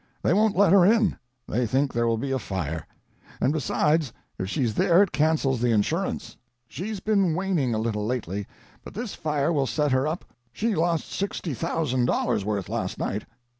They won't let her in. They think there will be a fire; and besides, if she's there it cancels the insurance. She's been waning a little lately, but this fire will set her up. She lost $60,000 worth last night."